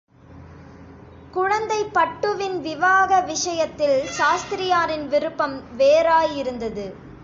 குழந்தை பட்டுவின் விவாக விஷயத்தில் சாஸ்திரியாரின் விருப்பம் வேறாயிருந்தது.